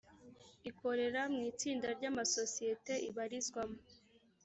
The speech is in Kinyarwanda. ikorera mu itsinda ry’amasosiyete ibarizwamo